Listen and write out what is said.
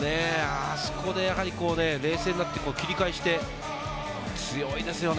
あそこで冷静になって切り替えして、強いですよね。